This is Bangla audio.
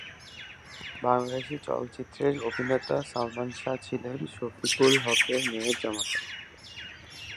বাংলাদেশী চলচ্চিত্র অভিনেতা সালমান শাহ ছিলেন শফিক উল হকের মেয়ের জামাতা।